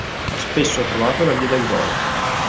Spesso ha trovato la via del gol.